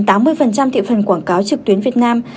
thị phần quảng cáo trực tuyến việt nam